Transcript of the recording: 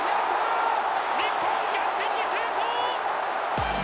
日本、逆転に成功！